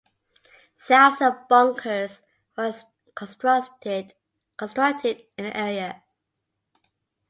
Thousands of bunkers were constructed in the area.